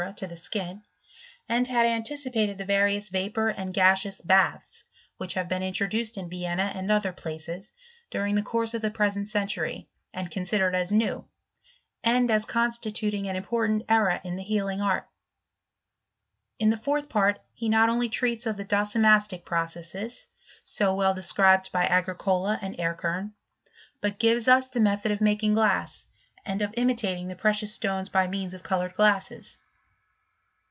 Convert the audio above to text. to the skin, and bad anticipated the various vapour and gaseous baths vhich have been introduced in Vienna and other places, during the course of the present century, and considered as new, and as constituting an important era in the healing art. In the fourth part he not only treats of the docimastic processes, so well described by Agricola and Erckern, but gives us the method of making glass, and of imitating the precious stones t)y means of coloured glasses.